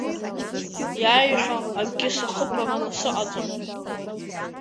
Иааиҳәо акгьы сахыԥараны сыҟаӡам.